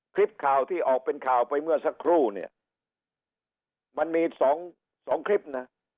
คลิปข่าวที่ออกเป็นข่าวไปเมื่อสักครู่เนี่ยมันมีสองสองคลิปนะ